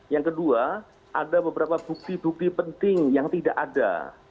yang kedua ada beberapa bukti bukti penting yang tidak ada